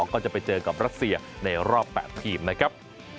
ก็จะไปเจอกับรัสเซียในรอบ๘ทีมนะครับ